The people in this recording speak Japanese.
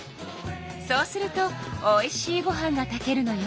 そうするとおいしいご飯が炊けるのよ。